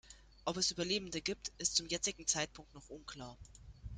Ob es Überlebende gibt, ist zum jetzigen Zeitpunkt noch unklar.